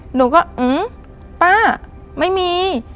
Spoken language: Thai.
หนูก็หื้อป้าไม่มี